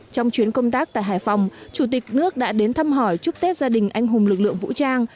trong chuyến công tác tại hải phòng chủ tịch nước đã đến thăm hỏi chúc tết gia đình anh hùng lực lượng vũ trang